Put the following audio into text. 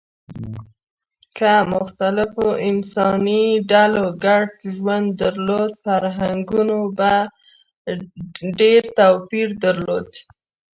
که مختلفو انساني ډلو ګډ ژوند درلود، فرهنګونو به ډېر توپیر درلود.